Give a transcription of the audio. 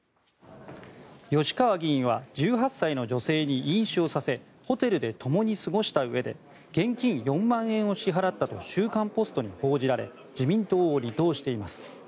吉川議員は１８歳の女性に飲酒をさせホテルでともに過ごしたうえで現金４万円を支払ったと「週刊ポスト」に報じられ自民党を離党しています。